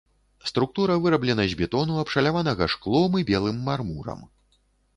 Структура выраблена з бетону, абшаляванага шклом і белым мармурам.